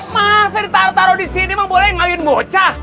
masa ditaruh taruh di sini emang boleh ngawin bocah